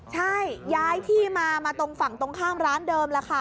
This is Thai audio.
ใช่ย้ายที่มามาตรงฝั่งตรงข้ามร้านเดิมแล้วค่ะ